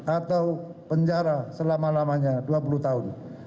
atau penjara selama lamanya dua puluh tahun